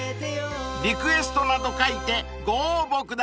［リクエストなど書いてご応募ください］